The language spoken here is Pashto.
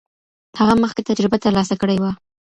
هغه مخکې تجربه ترلاسه کړې وه.